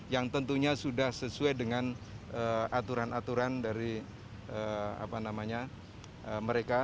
yang tentunya sudah sesuai dengan aturan aturan dari mereka